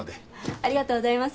ありがとうございます。